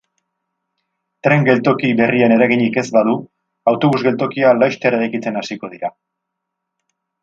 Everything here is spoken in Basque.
Tren geltoki berrian eraginik ez badu, autobus geltokia laster eraikitzen hasiko dira.